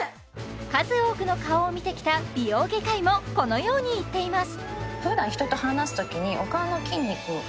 数多くの顔を見てきた美容外科医もこのように言っています